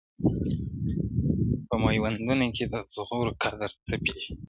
په میوندونو کي د زغرو قدر څه پیژني٫